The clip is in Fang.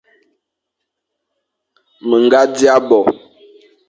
Mé ñga dia bo,